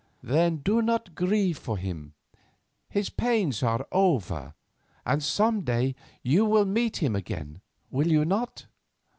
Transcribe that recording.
"Then do not grieve for him, his pains are over, and some day you will meet him again, will you not?"